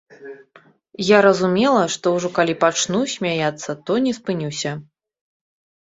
Я разумела, што ўжо калі пачну смяяцца, то не спынюся.